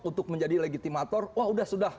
untuk menjadi legitimator wah udah sudah